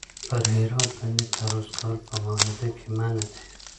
پر هرات باندې تعرض کول په معاهده کي منع دي.